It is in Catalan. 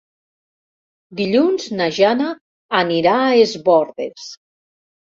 Dilluns na Jana anirà a Es Bòrdes.